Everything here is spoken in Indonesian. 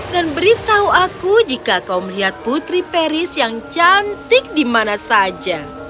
dan beritahu aku jika kau melihat putri paris yang cantik di mana saja